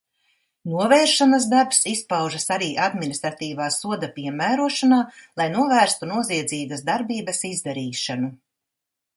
Novēršanas darbs izpaužas arī administratīvā soda piemērošanā, lai novērstu noziedzīgas darbības izdarīšanu.